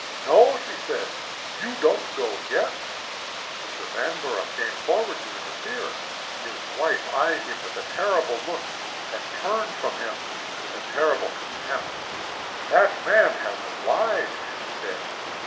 "No!" she said. "You don't go yet!" Mr. Vanborough came forward to interfere. His wife eyed him with a terrible look, and turned from him with a terrible contempt. "That man has lied!" she said.